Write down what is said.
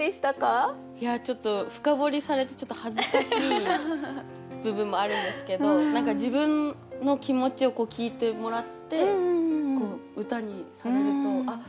ちょっと深掘りされて恥ずかしい部分もあるんですけど自分の気持ちを聞いてもらって歌にされるとあっ！